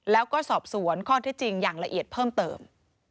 แล้วก็สอบสวนข้อที่จริงอย่างละเอียดเพิ่มเติม